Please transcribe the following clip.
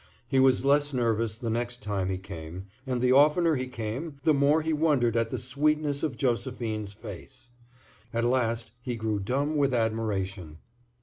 He was less nervous the next time he came, and the oftener he came the more he wondered at the sweetness of Josephine's face. At last he grew dumb with admiration.